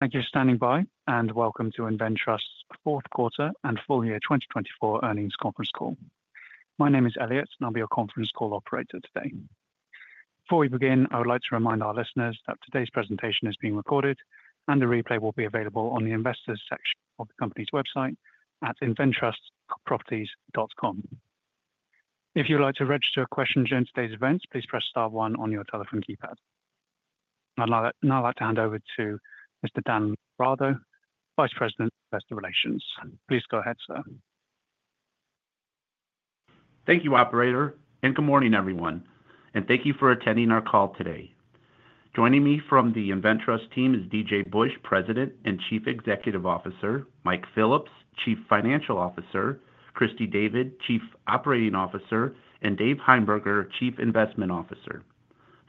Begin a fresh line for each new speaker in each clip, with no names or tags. Thank you for standing by, and welcome to InvenTrust's Fourth Quarter and Full Year 2024 earnings conference call. My name is Elliott, and I'll be your conference call operator today. Before we begin, I would like to remind our listeners that today's presentation is being recorded, and the replay will be available on the Investors section of the company's website at inventrustproperties.com. If you'd like to register a question during today's event, please press star one on your telephone keypad. I'd now like to hand over to Mr. Dan Lombardo, Vice President, Investor Relations. Please go ahead, sir.
Thank you, Operator, and good morning, everyone. Thank you for attending our call today. Joining me from the InvenTrust team is D.J. Busch, President and Chief Executive Officer, Mike Phillips, Chief Financial Officer, Christy David, Chief Operating Officer, and Dave Heimberger, Chief Investment Officer.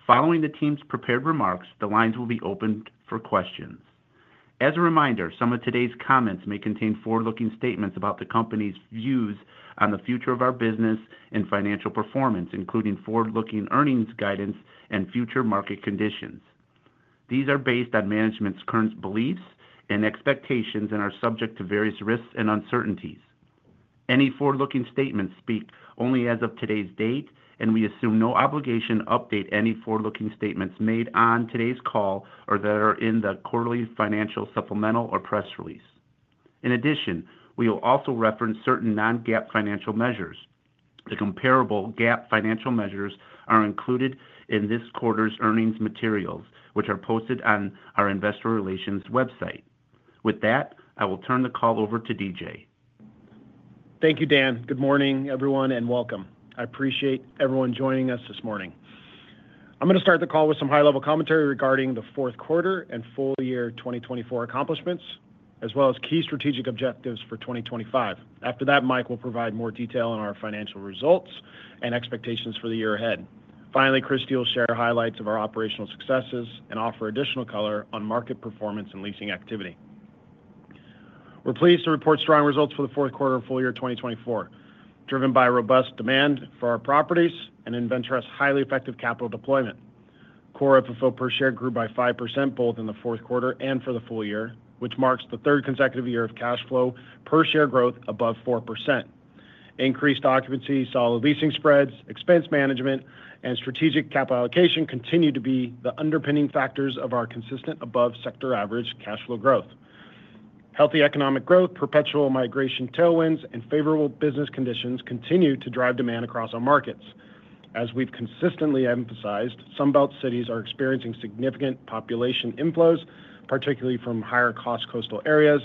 Following the team's prepared remarks, the lines will be open for questions. As a reminder, some of today's comments may contain forward-looking statements about the company's views on the future of our business and financial performance, including forward-looking earnings guidance and future market conditions. These are based on management's current beliefs and expectations and are subject to various risks and uncertainties. Any forward-looking statements speak only as of today's date, and we assume no obligation to update any forward-looking statements made on today's call or that are in the quarterly financial supplemental or press release. In addition, we will also reference certain non-GAAP financial measures. The comparable GAAP financial measures are included in this quarter's earnings materials, which are posted on our Investor Relations website. With that, I will turn the call over to D.J.
Thank you, Dan. Good morning, everyone, and welcome. I appreciate everyone joining us this morning. I'm going to start the call with some high-level commentary regarding the fourth quarter and full year 2024 accomplishments, as well as key strategic objectives for 2025. After that, Mike will provide more detail on our financial results and expectations for the year ahead. Finally, Christy will share highlights of our operational successes and offer additional color on market performance and leasing activity. We're pleased to report strong results for the fourth quarter and full year 2024, driven by robust demand for our properties and InvenTrust's highly effective capital deployment. Core FFO per share grew by 5% both in the fourth quarter and for the full year, which marks the third consecutive year of cash flow per share growth above 4%. Increased occupancy, solid leasing spreads, expense management, and strategic capital allocation continue to be the underpinning factors of our consistent above-sector average cash flow growth. Healthy economic growth, perpetual migration tailwinds, and favorable business conditions continue to drive demand across our markets. As we've consistently emphasized, Sun Belt cities are experiencing significant population inflows, particularly from higher-cost coastal areas,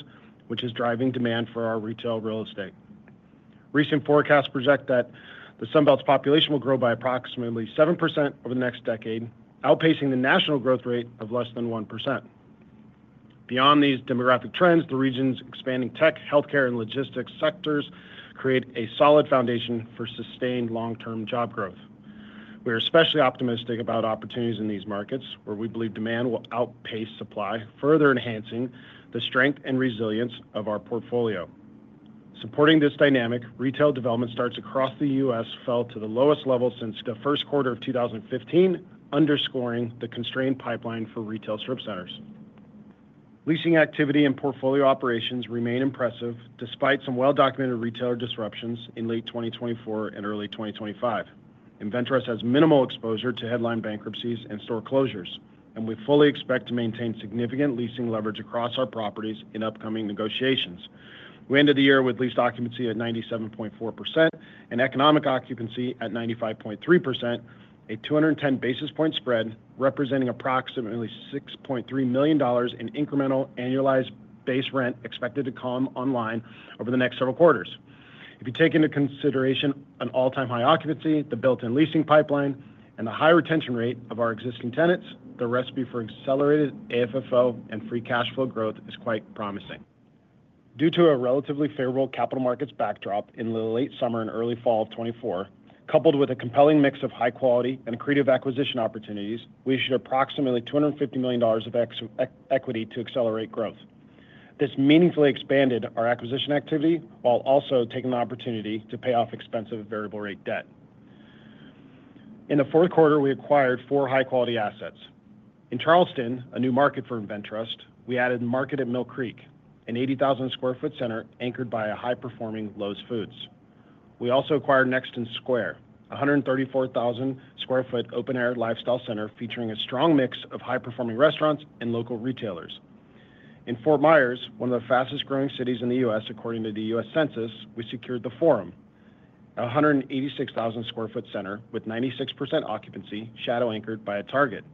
which is driving demand for our retail real estate. Recent forecasts project that the Sun Belt's population will grow by approximately 7% over the next decade, outpacing the national growth rate of less than 1%. Beyond these demographic trends, the region's expanding tech, healthcare, and logistics sectors create a solid foundation for sustained long-term job growth. We are especially optimistic about opportunities in these markets, where we believe demand will outpace supply, further enhancing the strength and resilience of our portfolio. Supporting this dynamic, retail development starts across the U.S. Fell to the lowest level since the first quarter of 2015, underscoring the constrained pipeline for retail strip centers. Leasing activity and portfolio operations remain impressive despite some well-documented retailer disruptions in late 2024 and early 2025. InvenTrust has minimal exposure to headline bankruptcies and store closures, and we fully expect to maintain significant leasing leverage across our properties in upcoming negotiations. We ended the year with lease occupancy at 97.4% and economic occupancy at 95.3%, a 210 basis points spread representing approximately $6.3 million in incremental annualized base rent expected to come online over the next several quarters. If you take into consideration an all-time high occupancy, the built-in leasing pipeline, and the high retention rate of our existing tenants, the recipe for accelerated AFFO and free cash flow growth is quite promising. Due to a relatively favorable capital markets backdrop in the late summer and early fall of 2024, coupled with a compelling mix of high-quality and accretive acquisition opportunities, we issued approximately $250 million of equity to accelerate growth. This meaningfully expanded our acquisition activity while also taking the opportunity to pay off expensive variable-rate debt. In the fourth quarter, we acquired four high-quality assets. In Charleston, a new market for InvenTrust, we added Market at Mill Creek, an 80,000 sq ft center anchored by a high-performing Lowes Foods. We also acquired Nexton Square, a 134,000 sq ft open-air lifestyle center featuring a strong mix of high-performing restaurants and local retailers. In Fort Myers, one of the fastest-growing cities in the U.S., according to the U.S. Census, we secured The Forum, a 186,000 sq ft center with 96% occupancy, shadow-anchored by a Target.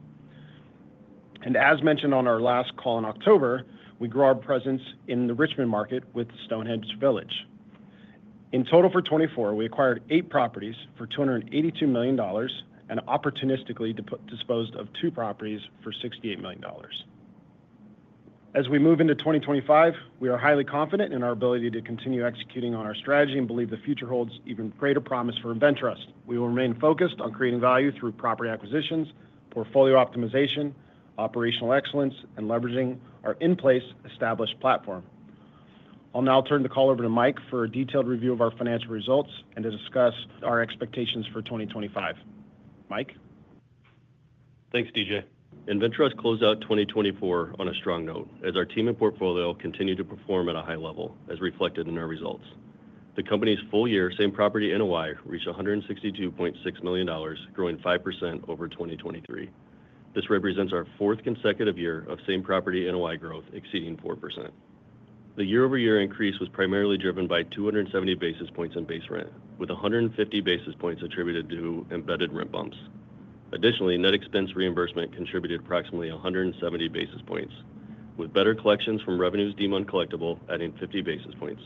As mentioned on our last call in October, we grew our presence in the Richmond market with Stonehenge Village. In total for 2024, we acquired eight properties for $282 million and opportunistically disposed of two properties for $68 million. As we move into 2025, we are highly confident in our ability to continue executing on our strategy and believe the future holds even greater promise for InvenTrust. We will remain focused on creating value through property acquisitions, portfolio optimization, operational excellence, and leveraging our in-place established platform. I'll now turn the call over to Mike for a detailed review of our financial results and to discuss our expectations for 2025. Mike.
Thanks, D.J. InvenTrust closed out 2024 on a strong note, as our team and portfolio continued to perform at a high level, as reflected in our results. The company's full year Same-Property NOI reached $162.6 million, growing 5% over 2023. This represents our fourth consecutive year of Same-Property NOI growth exceeding 4%. The year-over-year increase was primarily driven by 270 basis points in base rent, with 150 basis points attributed to embedded rent bumps. Additionally, net expense reimbursement contributed approximately 170 basis points, with better collections from revenues deemed uncollectible adding 50 basis points.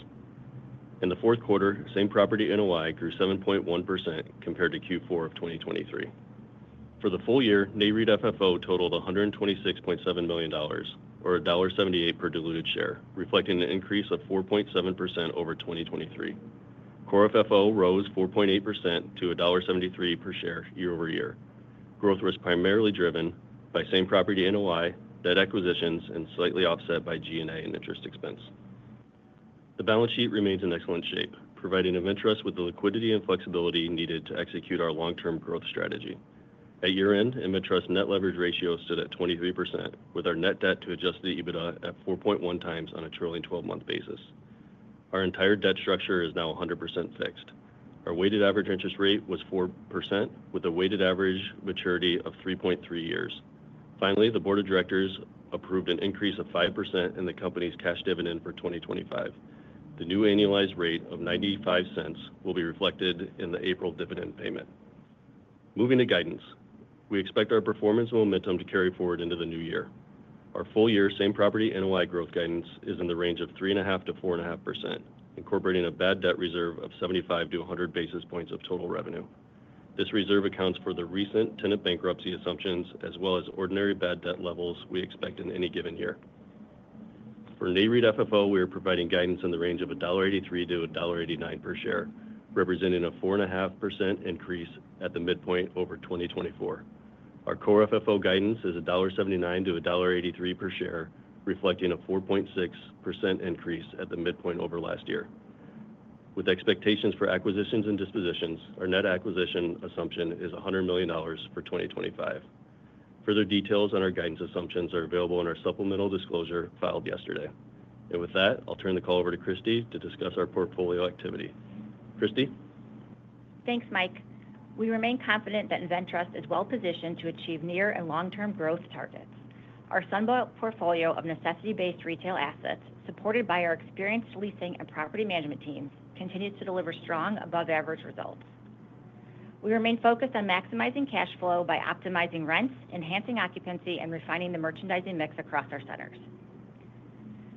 In the fourth quarter, Same-Property NOI grew 7.1% compared to Q4 of 2023. For the full year, Nareit FFO totaled $126.7 million, or $1.78 per diluted share, reflecting an increase of 4.7% over 2023. Core FFO rose 4.8% to $1.73 per share year-over-year. Growth was primarily driven by same-property NOI, debt acquisitions, and slightly offset by G&A and interest expense. The balance sheet remains in excellent shape, providing InvenTrust with the liquidity and flexibility needed to execute our long-term growth strategy. At year-end, InvenTrust's net leverage ratio stood at 23%, with our net debt to Adjusted EBITDA at 4.1 times on a trailing 12-month basis. Our entire debt structure is now 100% fixed. Our weighted average interest rate was 4%, with a weighted average maturity of 3.3 years. Finally, the Board of Directors approved an increase of 5% in the company's cash dividend for 2025. The new annualized rate of $0.95 will be reflected in the April dividend payment. Moving to guidance, we expect our performance and momentum to carry forward into the new year. Our full year Same-Property NOI growth guidance is in the range of 3.5%-4.5%, incorporating a bad debt reserve of 75-100 basis points of total revenue. This reserve accounts for the recent tenant bankruptcy assumptions as well as ordinary bad debt levels we expect in any given year. For Nareit FFO, we are providing guidance in the range of $1.83-$1.89 per share, representing a 4.5% increase at the midpoint over 2024. Our Core FFO guidance is $1.79-$1.83 per share, reflecting a 4.6% increase at the midpoint over last year. With expectations for acquisitions and dispositions, our net acquisition assumption is $100 million for 2025. Further details on our guidance assumptions are available in our supplemental disclosure filed yesterday. With that, I'll turn the call over to Christy to discuss our portfolio activity. Christy.
Thanks, Mike. We remain confident that InvenTrust is well-positioned to achieve near and long-term growth targets. Our Sun Belt portfolio of necessity-based retail assets, supported by our experienced leasing and property management teams, continues to deliver strong, above-average results. We remain focused on maximizing cash flow by optimizing rents, enhancing occupancy, and refining the merchandising mix across our centers.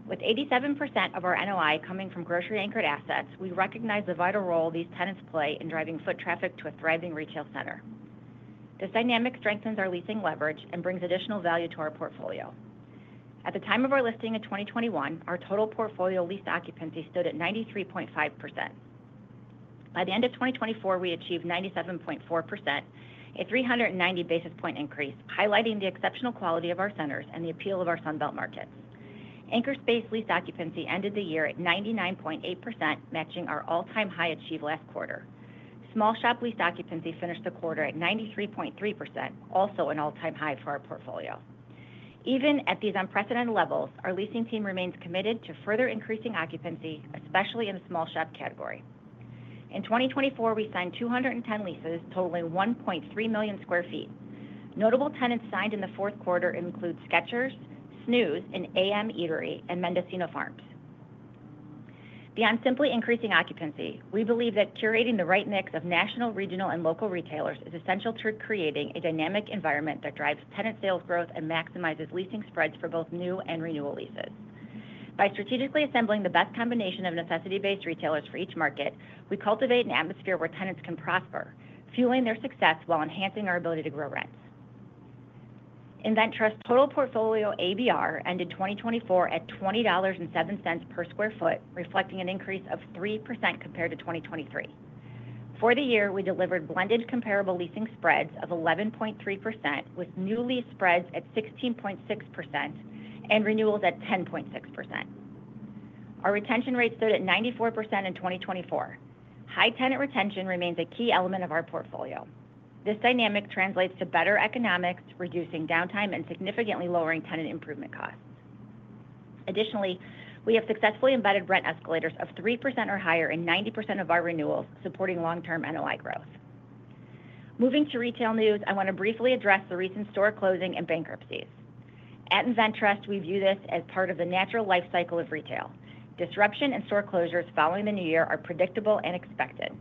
With 87% of our NOI coming from grocery-anchored assets, we recognize the vital role these tenants play in driving foot traffic to a thriving retail center. This dynamic strengthens our leasing leverage and brings additional value to our portfolio. At the time of our listing in 2021, our total portfolio lease occupancy stood at 93.5%. By the end of 2024, we achieved 97.4%, a 390 basis points increase, highlighting the exceptional quality of our centers and the appeal of our Sun Belt markets. Anchor space lease occupancy ended the year at 99.8%, matching our all-time high achieved last quarter. Small shop lease occupancy finished the quarter at 93.3%, also an all-time high for our portfolio. Even at these unprecedented levels, our leasing team remains committed to further increasing occupancy, especially in the small shop category. In 2024, we signed 210 leases, totaling 1.3 million sq ft. Notable tenants signed in the fourth quarter include Skechers, Snooze, an A.M. Eatery, and Mendocino Farms. Beyond simply increasing occupancy, we believe that curating the right mix of national, regional, and local retailers is essential to creating a dynamic environment that drives tenant sales growth and maximizes leasing spreads for both new and renewal leases. By strategically assembling the best combination of necessity-based retailers for each market, we cultivate an atmosphere where tenants can prosper, fueling their success while enhancing our ability to grow rents. InvenTrust's total portfolio ABR ended 2024 at $20.07 per sq ft, reflecting an increase of 3% compared to 2023. For the year, we delivered blended comparable leasing spreads of 11.3%, with new lease spreads at 16.6% and renewals at 10.6%. Our retention rate stood at 94% in 2024. High tenant retention remains a key element of our portfolio. This dynamic translates to better economics, reducing downtime and significantly lowering tenant improvement costs. Additionally, we have successfully embedded rent escalators of 3% or higher in 90% of our renewals, supporting long-term NOI growth. Moving to retail news, I want to briefly address the recent store closing and bankruptcies. At InvenTrust, we view this as part of the natural life cycle of retail. Disruption and store closures following the new year are predictable and expected.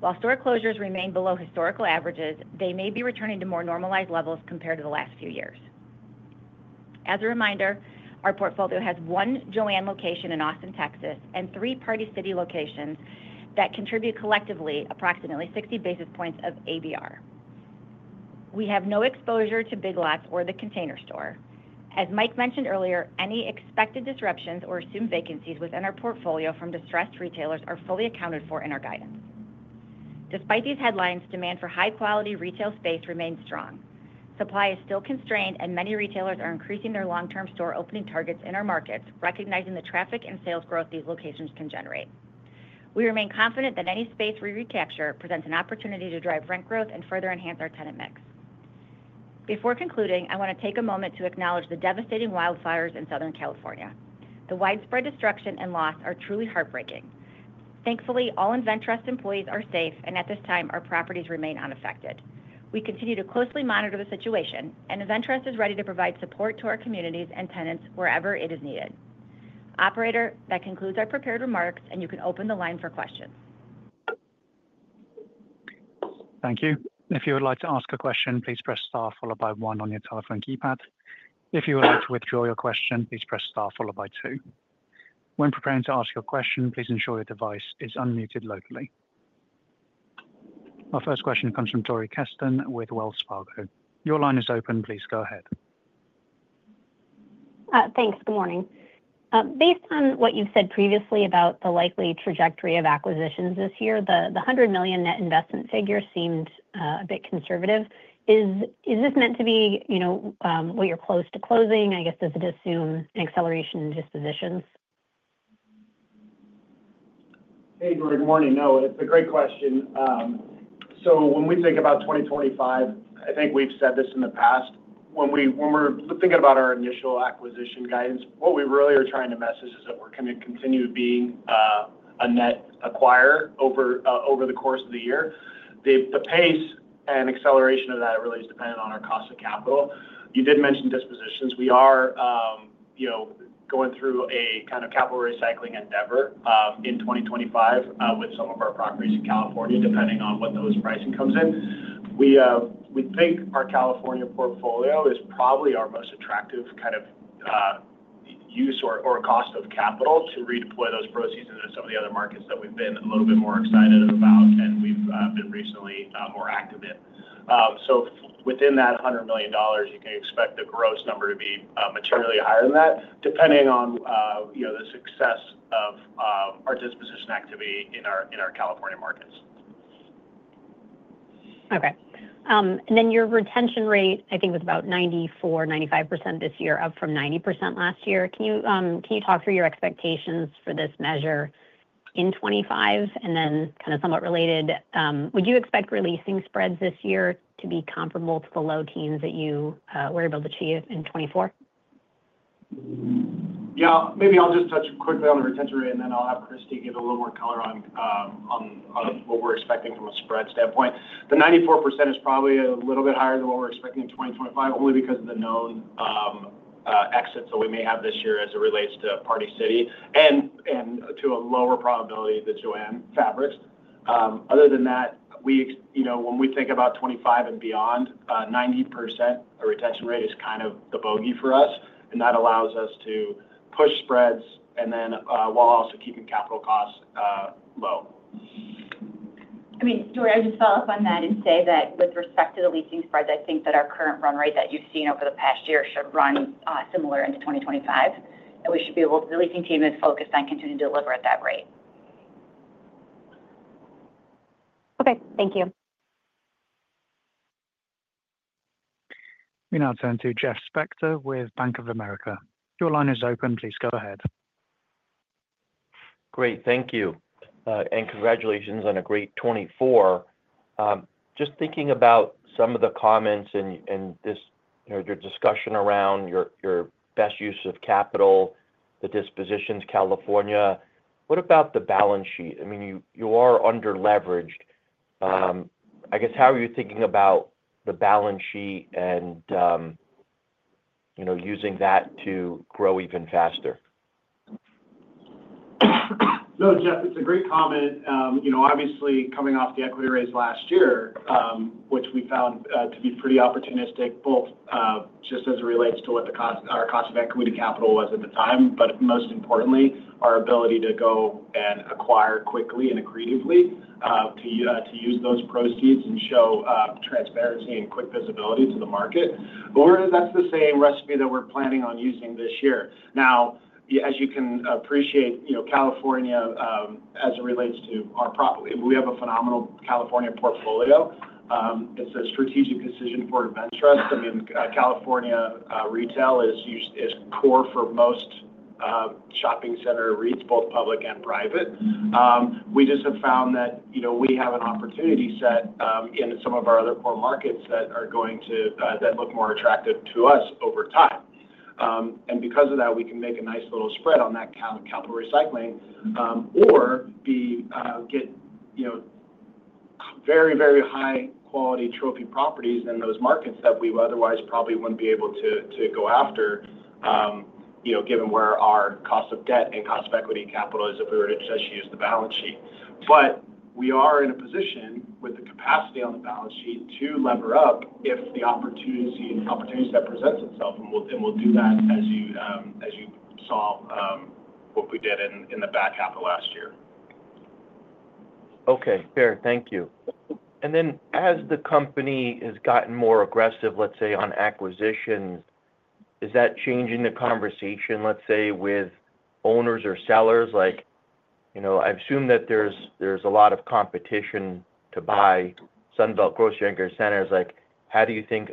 While store closures remain below historical averages, they may be returning to more normalized levels compared to the last few years. As a reminder, our portfolio has one JOANN location in Austin, Texas, and three Party City locations that contribute collectively approximately 60 basis points of ABR. We have no exposure to Big Lots or The Container Store. As Mike mentioned earlier, any expected disruptions or assumed vacancies within our portfolio from distressed retailers are fully accounted for in our guidance. Despite these headlines, demand for high-quality retail space remains strong. Supply is still constrained, and many retailers are increasing their long-term store opening targets in our markets, recognizing the traffic and sales growth these locations can generate. We remain confident that any space we recapture presents an opportunity to drive rent growth and further enhance our tenant mix. Before concluding, I want to take a moment to acknowledge the devastating wildfires in Southern California. The widespread destruction and loss are truly heartbreaking. Thankfully, all InvenTrust employees are safe, and at this time, our properties remain unaffected. We continue to closely monitor the situation, and InvenTrust is ready to provide support to our communities and tenants wherever it is needed. Operator, that concludes our prepared remarks, and you can open the line for questions.
Thank you. If you would like to ask a question, please press star followed by one on your telephone keypad. If you would like to withdraw your question, please press star followed by two. When preparing to ask your question, please ensure your device is unmuted locally. Our first question comes from Dori Kesten with Wells Fargo. Your line is open. Please go ahead.
Thanks. Good morning. Based on what you've said previously about the likely trajectory of acquisitions this year, the $100 million net investment figure seemed a bit conservative. Is this meant to be what you're close to closing? I guess does it assume an acceleration in dispositions?
Hey, Dori. Good morning. No, it's a great question. So when we think about 2025, I think we've said this in the past. When we're thinking about our initial acquisition guidance, what we really are trying to message is that we're going to continue being a net acquirer over the course of the year. The pace and acceleration of that really is dependent on our cost of capital. You did mention dispositions. We are going through a kind of capital recycling endeavor in 2025 with some of our properties in California, depending on what those pricing comes in. We think our California portfolio is probably our most attractive kind of use or cost of capital to redeploy those proceeds into some of the other markets that we've been a little bit more excited about and we've been recently more active in. So within that $100 million, you can expect the gross number to be materially higher than that, depending on the success of our disposition activity in our California markets.
Okay. And then your retention rate, I think, was about 94%, 95% this year, up from 90% last year. Can you talk through your expectations for this measure in 2025? And then kind of somewhat related, would you expect leasing spreads this year to be comparable to the low teens that you were able to achieve in 2024?
Yeah. Maybe I'll just touch quickly on the retention rate, and then I'll have Christy give a little more color on what we're expecting from a spread standpoint. The 94% is probably a little bit higher than what we're expecting in 2025, only because of the known exits that we may have this year as it relates to Party City and to a lower probability than JOANN Fabrics. Other than that, when we think about 2025 and beyond, 90% retention rate is kind of the bogey for us, and that allows us to push spreads while also keeping capital costs low.
I mean, Dori, I just follow up on that and say that with respect to the leasing spreads, I think that our current run rate that you've seen over the past year should run similar into 2025, and we should be able to. The leasing team is focused on continuing to deliver at that rate.
Okay. Thank you.
We now turn to Jeff Spector with Bank of America. Your line is open. Please go ahead.
Great. Thank you. And congratulations on a great 2024. Just thinking about some of the comments and your discussion around your best use of capital, the dispositions, California, what about the balance sheet? I mean, you are under-leveraged. I guess, how are you thinking about the balance sheet and using that to grow even faster?
No, Jeff, it's a great comment. Obviously, coming off the equity raise last year, which we found to be pretty opportunistic, both just as it relates to what our cost of equity capital was at the time, but most importantly, our ability to go and acquire quickly and accretively to use those proceeds and show transparency and quick visibility to the market. But we're going to. That's the same recipe that we're planning on using this year. Now, as you can appreciate, California, as it relates to our property, we have a phenomenal California portfolio. It's a strategic decision for InvenTrust. I mean, California retail is core for most shopping center REITs, both public and private. We just have found that we have an opportunity set in some of our other core markets that are going to look more attractive to us over time. And because of that, we can make a nice little spread on that capital recycling or get very, very high-quality trophy properties in those markets that we otherwise probably wouldn't be able to go after, given where our cost of debt and cost of equity capital is if we were to just use the balance sheet. But we are in a position with the capacity on the balance sheet to lever up if the opportunity set presents itself, and we'll do that as you saw what we did in the back half of last year.
Okay. Fair. Thank you. And then as the company has gotten more aggressive, let's say, on acquisitions, is that changing the conversation, let's say, with owners or sellers? I assume that there's a lot of competition to buy Sun Belt grocery-anchored centers. How do you think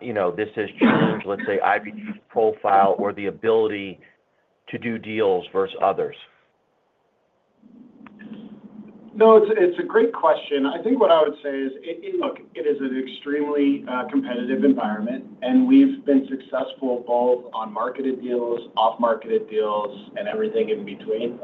this has changed, let's say, IVT's profile or the ability to do deals versus others?
No, it's a great question. I think what I would say is, look, it is an extremely competitive environment, and we've been successful both on marketed deals, off-marketed deals, and everything in between,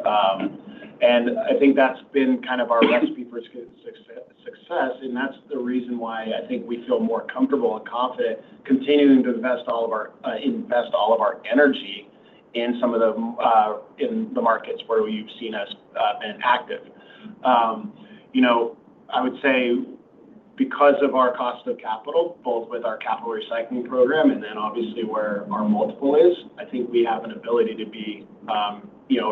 and I think that's been kind of our recipe for success, and that's the reason why I think we feel more comfortable and confident continuing to invest all of our energy in some of the markets where you've seen us been active. I would say because of our cost of capital, both with our capital recycling program and then obviously where our multiple is, I think we have an ability to be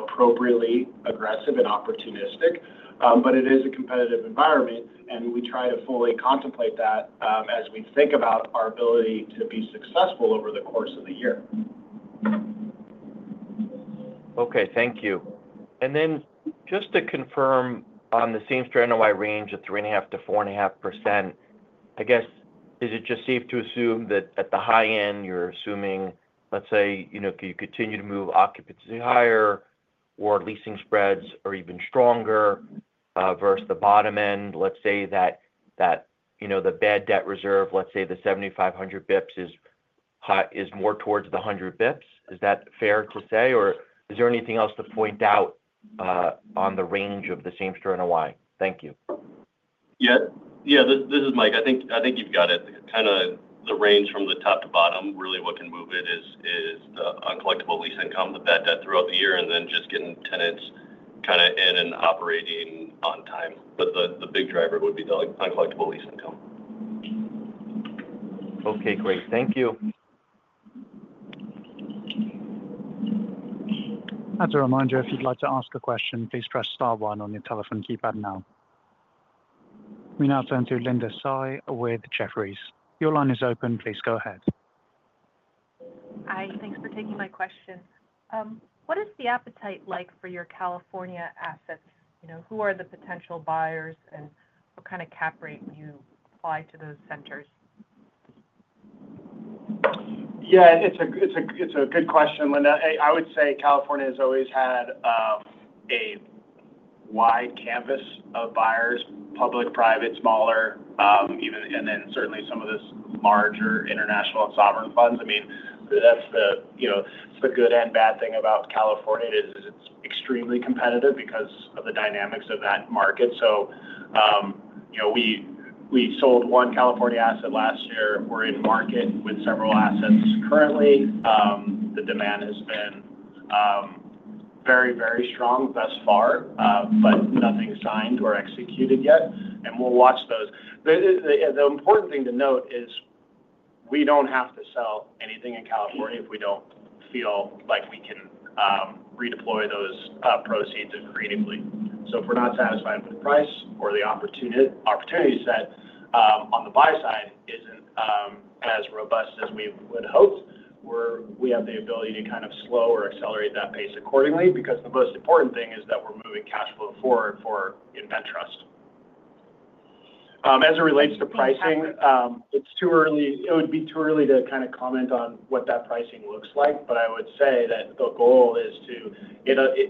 appropriately aggressive and opportunistic, but it is a competitive environment, and we try to fully contemplate that as we think about our ability to be successful over the course of the year.
Okay. Thank you. And then just to confirm on the same-store range at 3.5%-4.5%, I guess, is it just safe to assume that at the high end, you're assuming, let's say, you continue to move occupancy higher or leasing spreads are even stronger versus the bottom end? Let's say that the bad debt reserve, let's say the 75 basis points is more towards the 100 basis points. Is that fair to say? Or is there anything else to point out on the range of the same-store or why? Thank you.
Yeah. Yeah. This is Mike. I think you've got it. Kind of the range from the top to bottom, really what can move it is the uncollectible lease income, the bad debt throughout the year, and then just getting tenants kind of in and operating on time. But the big driver would be the uncollectible lease income.
Okay. Great. Thank you.
As a reminder, if you'd like to ask a question, please press star one on your telephone keypad now. We now turn to Linda Tsai with Jefferies. Your line is open. Please go ahead.
Hi. Thanks for taking my question. What is the appetite like for your California assets? Who are the potential buyers, and what kind of cap rate do you apply to those centers?
Yeah. It's a good question, Linda. I would say California has always had a wide canvas of buyers, public, private, smaller, and then certainly some of the larger international and sovereign funds. I mean, that's the good and bad thing about California. It is extremely competitive because of the dynamics of that market. So we sold one California asset last year. We're in market with several assets currently. The demand has been very, very strong thus far, but nothing signed or executed yet. And we'll watch those. The important thing to note is we don't have to sell anything in California if we don't feel like we can redeploy those proceeds accretively. So if we're not satisfied with the price or the opportunity set on the buy side isn't as robust as we would hope, we have the ability to kind of slow or accelerate that pace accordingly because the most important thing is that we're moving cash flow forward for InvenTrust. As it relates to pricing, it would be too early to kind of comment on what that pricing looks like, but I would say that the goal is to,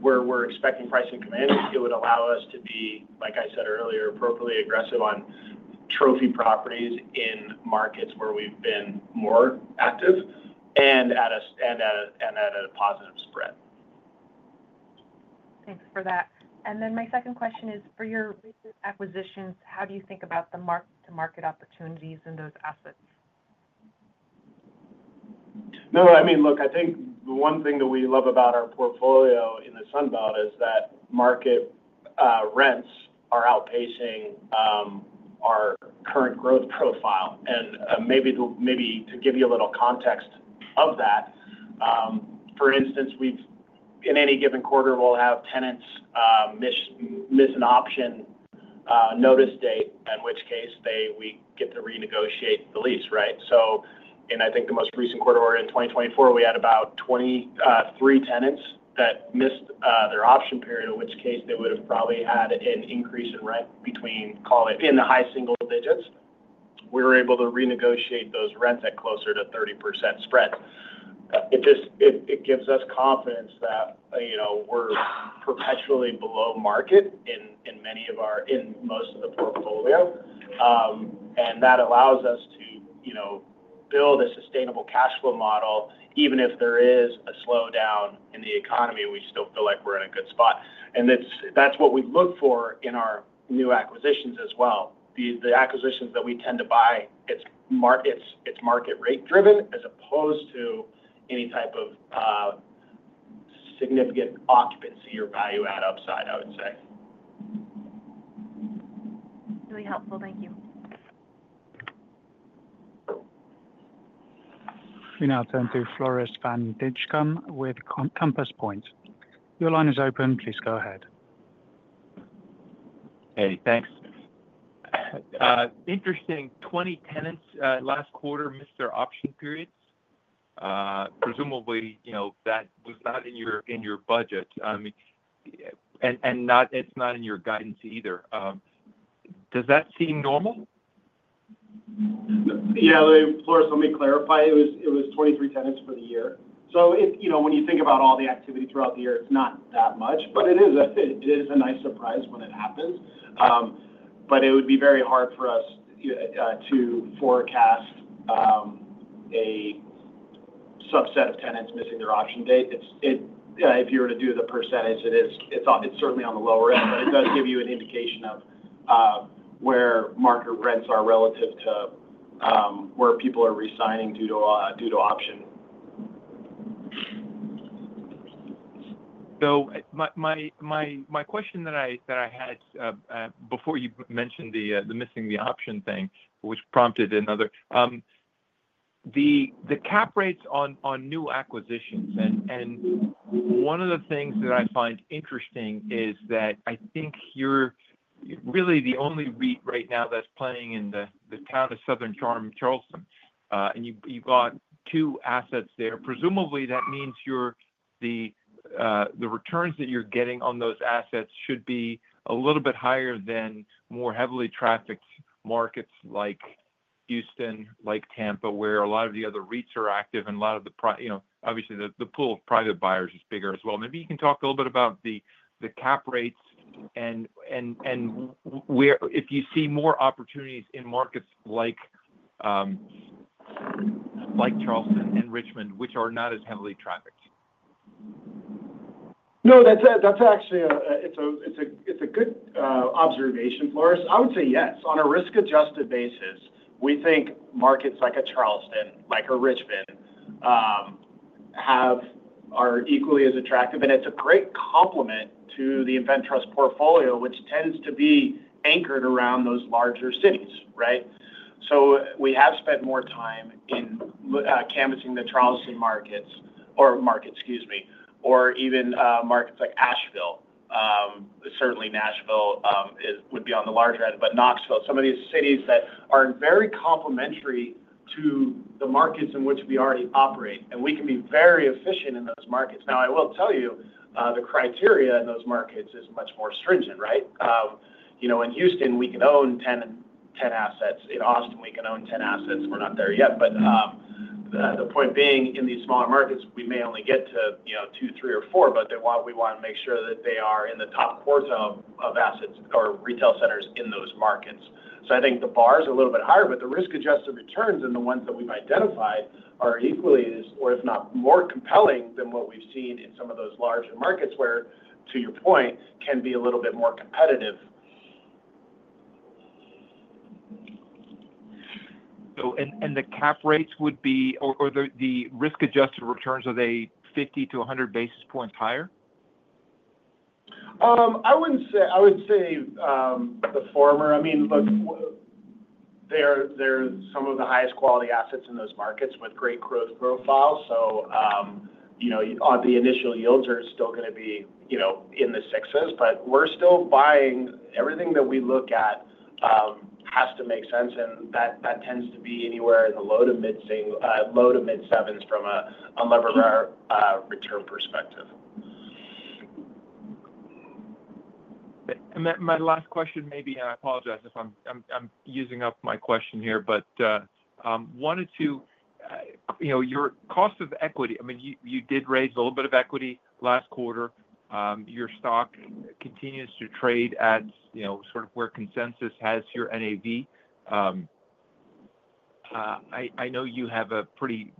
we're expecting pricing to come in. It would allow us to be, like I said earlier, appropriately aggressive on trophy properties in markets where we've been more active and at a positive spread.
Thanks for that. And then my second question is, for your recent acquisitions, how do you think about the mark-to-market opportunities in those assets?
No, I mean, look, I think the one thing that we love about our portfolio in the Sun Belt is that market rents are outpacing our current growth profile. And maybe to give you a little context of that, for instance, in any given quarter, we'll have tenants miss an option notice date, in which case we get to renegotiate the lease, right? And I think the most recent quarter we're in 2024, we had about 23 tenants that missed their option period, in which case they would have probably had an increase in rent between, call it, in the high single digits. We were able to renegotiate those rents at closer to 30% spread. It gives us confidence that we're perpetually below market in many of our, in most of the portfolio. And that allows us to build a sustainable cash flow model, even if there is a slowdown in the economy, we still feel like we're in a good spot. And that's what we look for in our new acquisitions as well. The acquisitions that we tend to buy, it's market-rate driven as opposed to any type of significant occupancy or value-add upside, I would say.
Really helpful. Thank you.
We now turn to Floris van Dijkum with Compass Point. Your line is open. Please go ahead.
Hey. Thanks. Interesting. 20 tenants last quarter missed their option periods. Presumably, that was not in your budget. And it's not in your guidance either. Does that seem normal?
Yeah. Floris, let me clarify. It was 23 tenants for the year. So when you think about all the activity throughout the year, it's not that much, but it is a nice surprise when it happens. But it would be very hard for us to forecast a subset of tenants missing their option date. If you were to do the percentage, it's certainly on the lower end, but it does give you an indication of where market rents are relative to where people are resigning due to option.
My question that I had before you mentioned the missing option thing, which prompted another, the cap rates on new acquisitions. One of the things that I find interesting is that I think you're really the only REIT right now that's playing in the town of South Charleston. You've got two assets there. Presumably, that means the returns that you're getting on those assets should be a little bit higher than more heavily trafficked markets like Houston, like Tampa, where a lot of the other REITs are active and a lot of the, obviously, the pool of private buyers is bigger as well. Maybe you can talk a little bit about the cap rates and if you see more opportunities in markets like Charleston and Richmond, which are not as heavily trafficked.
No, that's actually a, it's a good observation, Floris. I would say yes. On a risk-adjusted basis, we think markets like a Charleston, like a Richmond, are equally as attractive. And it's a great complement to the InvenTrust portfolio, which tends to be anchored around those larger cities, right? So we have spent more time in canvassing the Charleston markets or markets, excuse me, or even markets like Asheville. Certainly, Nashville would be on the larger end, but Knoxville, some of these cities that are very complementary to the markets in which we already operate. And we can be very efficient in those markets. Now, I will tell you, the criteria in those markets is much more stringent, right? In Houston, we can own 10 assets. In Austin, we can own 10 assets. We're not there yet. But the point being, in these smaller markets, we may only get to two, three, or four, but we want to make sure that they are in the top quartile of assets or retail centers in those markets. So I think the bar is a little bit higher, but the risk-adjusted returns in the ones that we've identified are equally, or if not more compelling, than what we've seen in some of those larger markets where, to your point, can be a little bit more competitive.
The cap rates would be, or the risk-adjusted returns, are they 50-100 basis points higher?
I would say the former. I mean, look, there are some of the highest quality assets in those markets with great growth profiles. So the initial yields are still going to be in the sixes, but we're still buying everything that we look at has to make sense. And that tends to be anywhere in the low to mid-sevens from a levered return perspective.
My last question maybe, and I apologize if I'm using up my question here, but wanted to, your cost of equity. I mean, you did raise a little bit of equity last quarter. Your stock continues to trade at sort of where consensus has your NAV. I know you have a pretty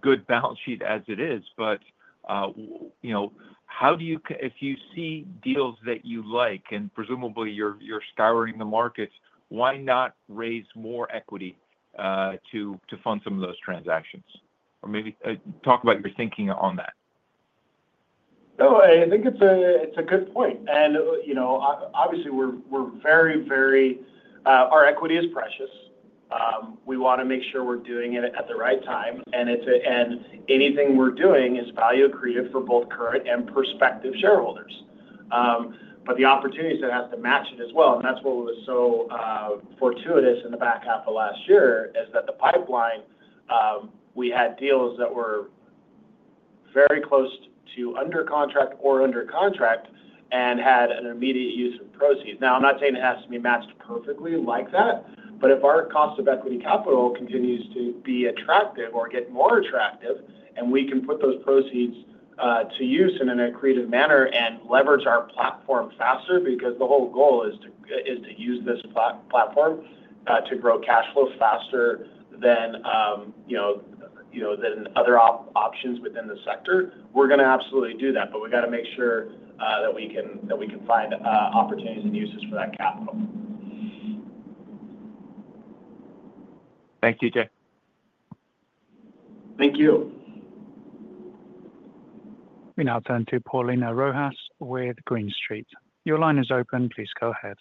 good balance sheet as it is, but how do you, if you see deals that you like and presumably you're scouring the markets, why not raise more equity to fund some of those transactions? Or maybe talk about your thinking on that.
No, I think it's a good point, and obviously, we're very, very, our equity is precious. We want to make sure we're doing it at the right time, and anything we're doing is value-accretive for both current and prospective shareholders, but the opportunities that have to match it as well, and that's what was so fortuitous in the back half of last year, is that the pipeline, we had deals that were very close to under contract or under contract and had an immediate use of proceeds. Now, I'm not saying it has to be matched perfectly like that, but if our cost of equity capital continues to be attractive or get more attractive, and we can put those proceeds to use in an accretive manner and leverage our platform faster because the whole goal is to use this platform to grow cash flow faster than other options within the sector, we're going to absolutely do that. But we got to make sure that we can find opportunities and uses for that capital.
Thank you, DJ.
Thank you.
We now turn to Paulina Rojas with Green Street. Your line is open. Please go ahead.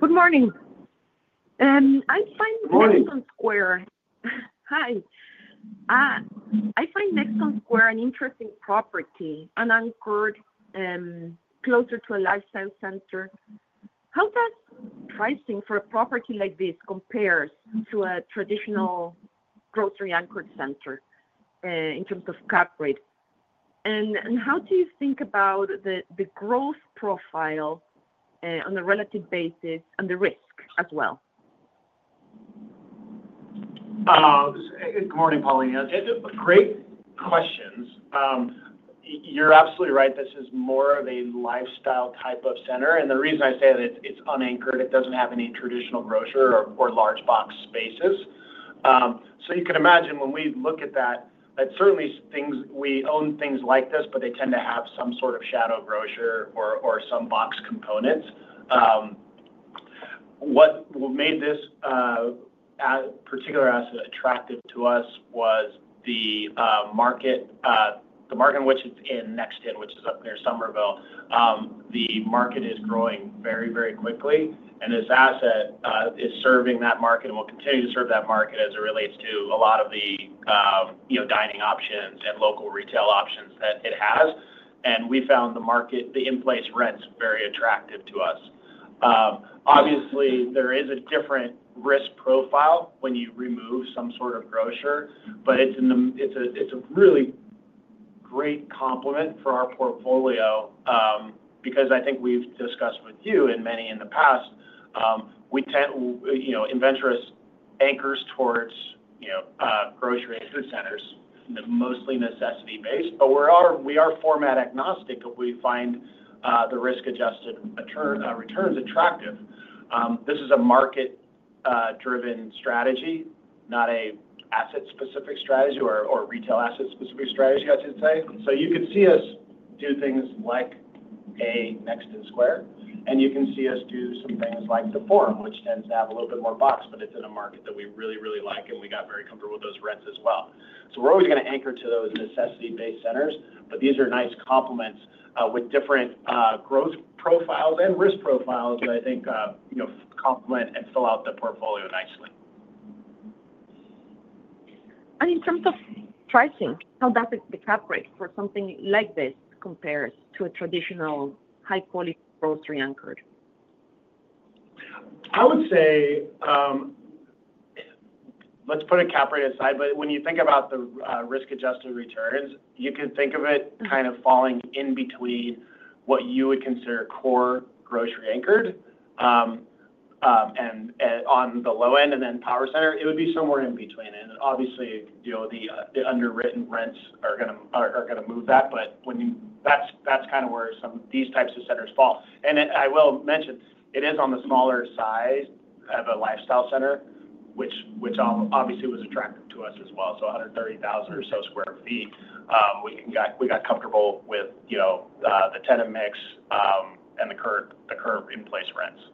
Good morning. I find Nexton Square-
Morning.
Hi. I find Nexton Square an interesting property anchored closer to a lifestyle center. How does pricing for a property like this compare to a traditional grocery anchored center in terms of cap rate, and how do you think about the growth profile on a relative basis and the risk as well?
Good morning, Paulina. Great questions. You're absolutely right. This is more of a lifestyle type of center. And the reason I say that it's unanchored, it doesn't have any traditional grocer or large box spaces. So you can imagine when we look at that, that certainly we own things like this, but they tend to have some sort of shadow grocer or some box components. What made this particular asset attractive to us was the market in which it's in, Nexton, which is up near Summerville. The market is growing very, very quickly, and this asset is serving that market and will continue to serve that market as it relates to a lot of the dining options and local retail options that it has. And we found the market, the in-place rents, very attractive to us. Obviously, there is a different risk profile when you remove some sort of grocer, but it's a really great complement for our portfolio because I think we've discussed with you and many in the past. InvenTrust anchors towards grocery and food centers, mostly necessity-based. But we are format agnostic, but we find the risk-adjusted returns attractive. This is a market-driven strategy, not an asset-specific strategy or retail asset-specific strategy, I should say. So you can see us do things like a Nexton Square, and you can see us do some things like The Forum, which tends to have a little bit more box, but it's in a market that we really, really like, and we got very comfortable with those rents as well. We're always going to anchor to those necessity-based centers, but these are nice complements with different growth profiles and risk profiles that I think complement and fill out the portfolio nicely.
In terms of pricing, how does the cap rate for something like this compare to a traditional high-quality grocery-anchored?
I would say, let's put a cap rate aside, but when you think about the risk-adjusted returns, you can think of it kind of falling in between what you would consider core grocery anchored and on the low end and then power center. It would be somewhere in between. And obviously, the underwritten rents are going to move that, but that's kind of where some of these types of centers fall. And I will mention, it is on the smaller side of a lifestyle center, which obviously was attractive to us as well. So 130,000 or so sq ft, we got comfortable with the tenant mix and the current in-place rents.